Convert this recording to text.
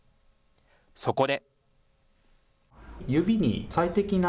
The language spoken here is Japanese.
そこで。